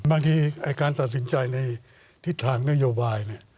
บางทีการตัดสินใจในทิศทางนโยบาย